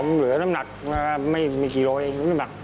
เหนือน้ำหนักไม่มีกี่โลแห่ง